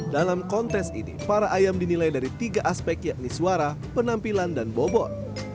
dalam kontes ini para ayam dinilai dari tiga aspek yakni suara penampilan dan bobot